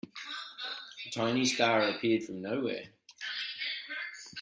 A tiny star appeared from nowhere.